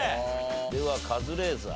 ではカズレーザー。